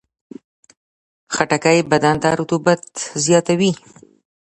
خټکی بدن ته رطوبت زیاتوي.